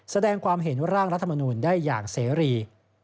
แสดงความเห็นร่างรัฐมนูลได้อย่างเสรี